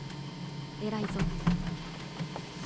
偉いぞ。